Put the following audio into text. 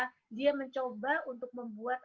karena dia mencoba untuk membuat